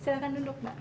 silahkan duduk mbak